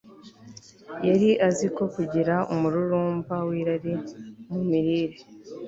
yari azi ko kugira umururumba wirari mu mirire